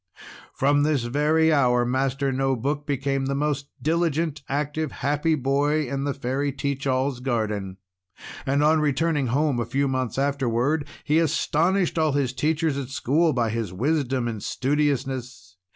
From this very hour, Master No Book became the most diligent, active, happy boy in the Fairy Teach All's garden. And on returning home a few months afterward, he astonished all his teachers at school by his wisdom and studiousness.